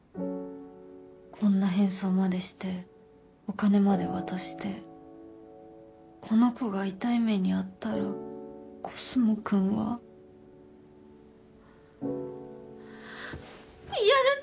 こんな変装までしてお金まで渡してこの子が痛い目に遭ったらコスモくんは嫌です